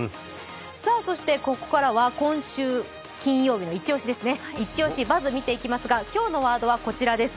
ここからは今週金曜日の「イチオシバズ！」を見ていきますが今日のワードはこちらです。